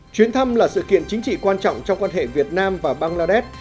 chuyến thăm là sự kiện chính trị quan trọng trong quan hệ việt nam và bangladesh